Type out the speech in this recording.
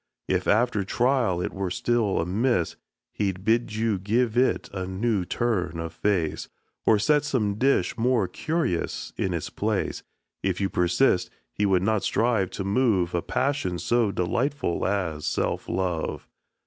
If after trial it were still amiss, He'd bid you give it a new turn of face, Or set some dish more curious in its place. If you persist, he would not strive to move A passion so delightful as self love.